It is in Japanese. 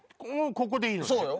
ここでいいのね。